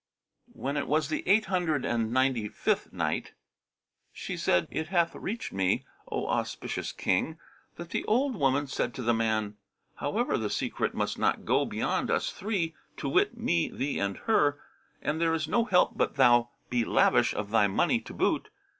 When it was the Eight Hundred and Ninety Fifth Night, She said, It hath reached me, O auspicious King, that the old woman said to the man, "However the secret must not go beyond us three, to wit me, thee and her; and there is no help but thou be lavish of thy money to boot."